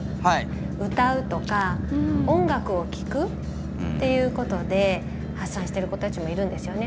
歌うとか音楽を聴くっていうことで発散している子たちもいるんですよね。